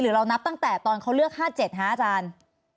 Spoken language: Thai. เรานับตั้งแต่ตอนเขาเลือก๕๗คะอาจารย์